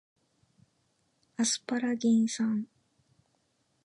アスパラギン酸